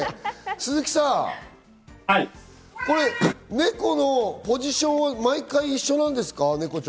鈴木さん、猫のポジションは毎回一緒なんですか？